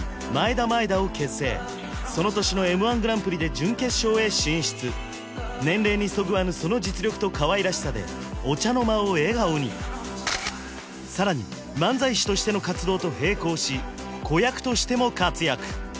だまえだを結成その年のＭ−１グランプリで準決勝へ進出年齢にそぐわぬその実力とかわいらしさでお茶の間を笑顔にさらに漫才師としての活動と並行し子役としても活躍